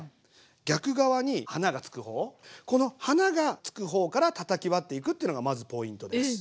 逆側に花が付く方この花が付く方からたたき割っていくっていうのがまずポイントです。